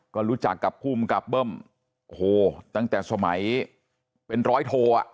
ก็รู้จักกับภูมิกับเบิ้มโอ้โหตั้งแต่สมัยเป็นร้อยโทอ่ะ